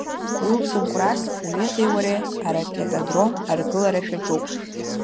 Уи лцымхәрас уҩызеи уареи аракетодром аргылара шәаҿуп.